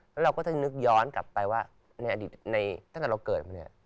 แล้วเราก็จะนึกย้อนกลับไปว่าในอดีตในตั้งแต่เราเกิดมาเนี่ย